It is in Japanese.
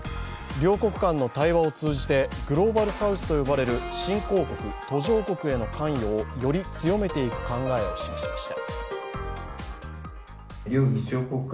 両国間の対話を通じてグローバルサウスと呼ばれる新興国・途上国への関与をより強めていく考えを示しました。